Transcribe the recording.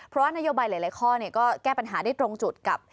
เพราะว่านโยบายหลายข้อก็แก้ปัญหาได้ตรงจุดกับ